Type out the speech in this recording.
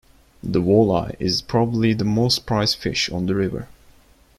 The walleye is probably the most prized fish on the river.